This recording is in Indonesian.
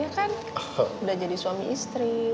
dia kan udah jadi suami istri